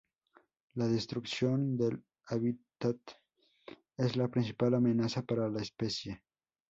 La destrucción del hábitat es la principal amenaza para la especie.